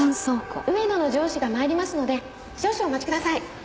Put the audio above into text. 上野の上司が参りますので少々お待ちください。